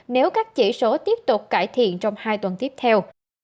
nếu các chỉ số tiếp tục cải thiện trong hai tuần tiếp theo